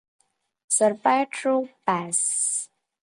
Sir Pietro Pace.